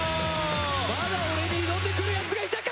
まだ俺に挑んでくるやつがいたか！